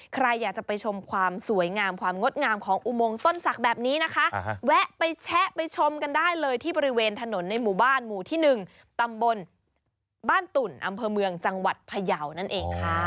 ใครอยากจะไปชมความสวยงามความงดงามของอุโมงต้นศักดิ์แบบนี้นะคะแวะไปแชะไปชมกันได้เลยที่บริเวณถนนในหมู่บ้านหมู่ที่๑ตำบลบ้านตุ่นอำเภอเมืองจังหวัดพยาวนั่นเองค่ะ